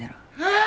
ああ！